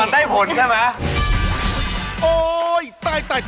มันได้ผลใช่ไหม